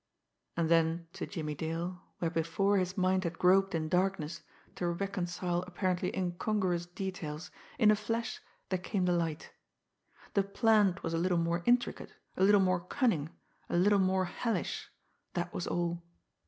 And then to Jimmie Dale, where before his mind had groped in darkness to reconcile apparently incongruous details, in a flash there came the light. The "plant" was a little more intricate, a little more cunning, a little more hellish that was all!